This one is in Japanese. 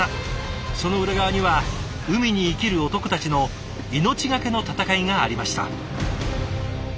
その裏側には海に生きる男たちの命がけの戦いがありました。